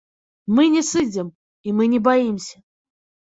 Мы не сыдзем, і мы не баімся.